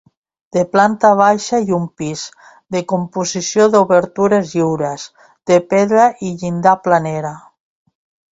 De planta baixa i un pis, de composició d'obertures lliures, de pedra i llinda planera.